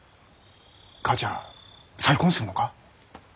母ちゃん再婚するのか？